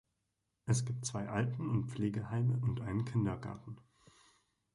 Es gibt zwei Alten- und Pflegeheime und einen Kindergarten.